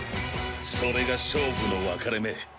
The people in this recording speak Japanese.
それが勝負の分かれ目。